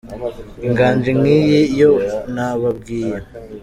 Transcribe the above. Inganji nk’iyi yo nababwiye